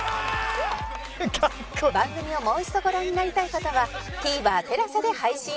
番組をもう一度ご覧になりたい方は ＴＶｅｒＴＥＬＡＳＡ で配信